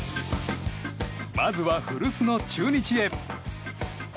まずは古巣の中日へ。